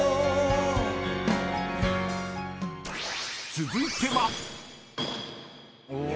［続いては］